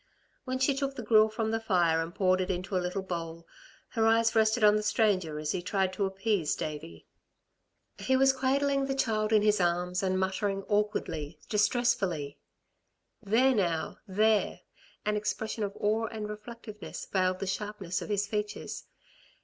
When she took the gruel from the fire and poured it into a little bowl, her eyes rested on the stranger as he tried to appease Davey. He was cradling the child in his arms, and muttering awkwardly, distressfully: "There now! There!" An expression of awe and reflectiveness veiled the sharpness of his features.